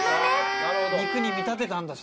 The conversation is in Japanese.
肉に見立てたんだ。